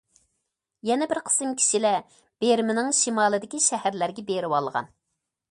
يەنە بىر قىسىم كىشىلەر بىرمىنىڭ شىمالىدىكى شەھەرلەرگە بېرىۋالغان.